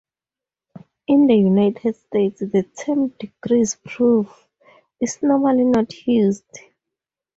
In the United States the term "degrees proof" is normally not used.